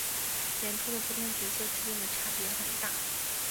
演出的不同角色之间的差别很大。